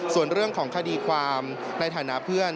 ส่วนเรื่องของคดีความในฐานะเพื่อน